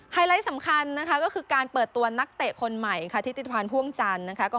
ไฮไลท์สำคัญก็คือการเปิดตัวนักเตะคนใหม่ที่ติดพันธ์ภูมิจันทร์